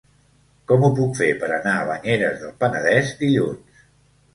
Com ho puc fer per anar a Banyeres del Penedès dilluns?